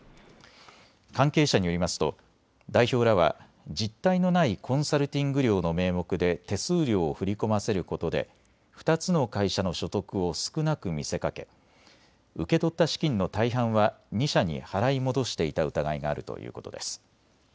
関係者によりますと代表らは実態のないコンサルティング料の名目で手数料を振り込ませることで２つの会社の所得を少なく見せかけ受け取った資金の大半は２社に払い戻していた疑いがあるということです。